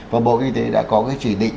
và bộ y tế đã có cái chỉ định